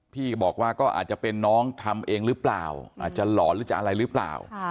พี่บอกว่าก็อาจจะเป็นน้องทำเองหรือเปล่าอาจจะหลอนหรือจะอะไรหรือเปล่า